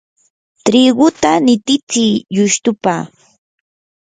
triguta nititsi llustupa.